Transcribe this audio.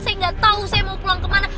saya gak tau saya mau pulang kemana